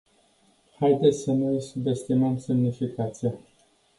Haideți să nu îi subestimăm semnificația.